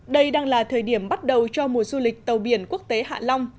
đây đang là thời điểm bắt đầu cho mùa du lịch tàu biển quốc tế hạ long